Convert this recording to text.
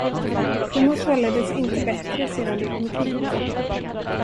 Du mår således inte bättre, sedan du kommit hit?